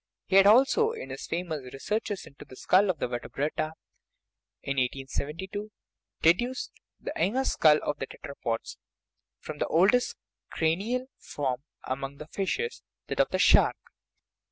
He had also, in his famous Researches into the Skull of the Vertebrata (1872), deduced the younger skull of the tetrapods from the oldest cranial form among the fishes, that of the shark.